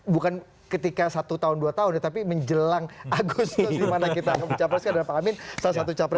bukan ketika satu tahun dua tahun ya tapi menjelang agustus dimana kita capreskan dan pak amin salah satu capres